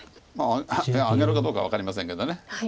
まああげるかどうかは分かりませんけど。